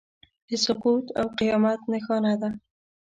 د سقوط او قیامت نښانه ده.